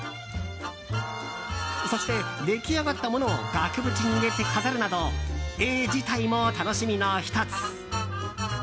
そして、出来上がったものを額縁に入れて飾るなど絵自体も楽しみの１つ。